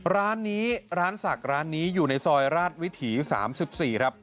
ร้านนี้ร้านศักดิ์ร้านนี้อยู่ในซอยราชวิถี๓๔ครับ